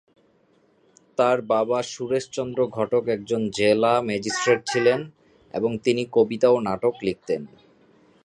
তার বাবা সুরেশ চন্দ্র ঘটক একজন জেলা ম্যাজিস্ট্রেট ছিলেন এবং তিনি কবিতা ও নাটক লিখতেন।